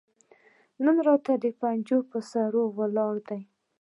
نن راته د پنجو پهٔ سرو ولاړه ده